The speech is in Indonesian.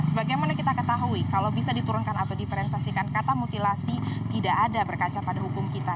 sebagaimana kita ketahui kalau bisa diturunkan atau diferensiasikan kata mutilasi tidak ada berkaca pada hukum kita